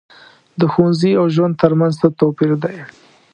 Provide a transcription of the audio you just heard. د ښوونځي او ژوند تر منځ څه توپیر دی.